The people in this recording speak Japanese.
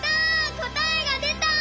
こたえが出た！